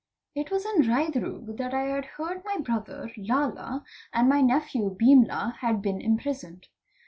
It was in Raidrug that I had heard that my brother Lalla and my nephew ~ Beemla had been imprisoned.